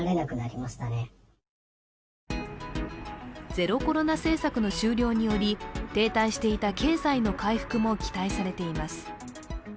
ゼロコロナ政策の終了により停滞していた経済の回復も期待されています。